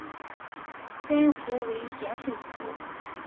该湖为咸水湖。